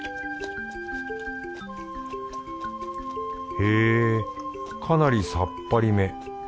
へぇかなりさっぱりめ。